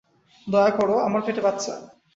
দয়া করো, আমার পেটে বাচ্চা।